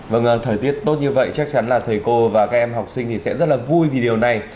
vâng thời tiết tốt như vậy chắc chắn là thầy cô và các em học sinh thì sẽ rất là vui vì điều này